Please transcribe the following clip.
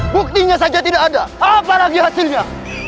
buktinya saja tidak ada apa lagi hasilnya